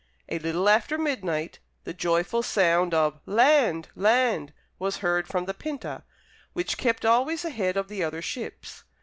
A little after midnight, the joyful sound of "Land! Land!" was heard from the Pinta, which kept always ahead of the other ships.